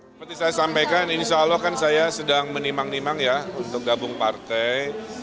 seperti saya sampaikan insya allah kan saya sedang menimang nimang ya untuk gabung partai